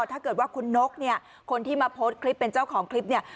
ถ้าเกิดว่าคุณนกเนี่ยคนที่มาโพสต์คลิปเป็นเจ้าของคลิปเนี่ย